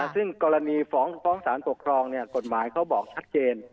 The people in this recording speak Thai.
ซึ่งกรณีฟ้องสารปกครองกฎหมายเขาบอกชัดเจน